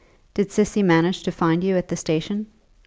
"Did Cissy manage to find you at the station?"